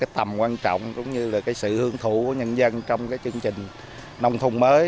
tầm quan trọng cũng như sự hương thủ của nhân dân trong chương trình nông thôn mới